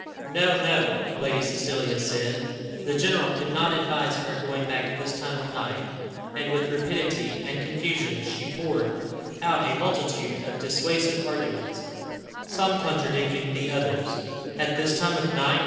"No no," Lady Cecilia said. The general could not advise her going back at this time of night. And with rapidity and confusion, she poured out a multitude of dissuasive arguments, some contradicting the others. "At this time of night!